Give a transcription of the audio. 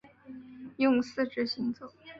用四肢行走。